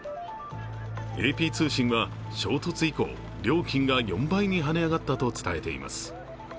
ＡＰ通信は衝突以降料金が４倍にはね上がったと伝えています。